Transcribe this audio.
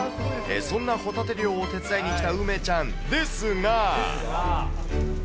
そんなホタテ漁を手伝いに来た梅ちゃんですが。